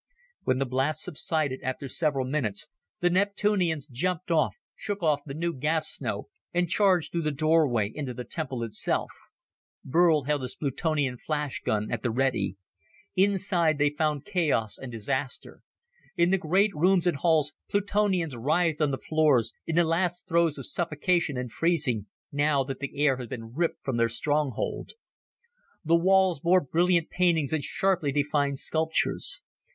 When the blast subsided after several minutes, the Neptunians jumped up, shook off the new gas snow, and charged through the doorway into the temple itself. Burl held his Plutonian flashgun at the ready. Inside, they found chaos and disaster. In the great rooms and halls Plutonians writhed on the floors, in the last throes of suffocation and freezing, now that the air had been ripped from their stronghold. The walls bore brilliant paintings and sharply defined sculptures.